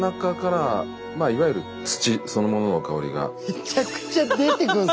めちゃくちゃ出てくるんすね。